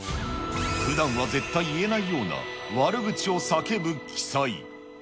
ふだんは絶対言えないような、悪口を叫ぶ奇祭。